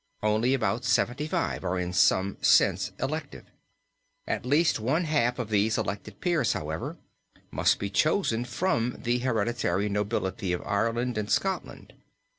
Only about seventy five are in some sense elective. At least one half of these elected peers, however, must be chosen from the hereditary nobility of Ireland and Scotland.